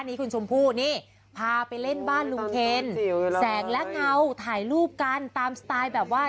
นี้คุณชมพู่นี่พาไปเล่นบ้านลุงเคนแสงและเงาถ่ายรูปกันตามสไตล์แบบว่า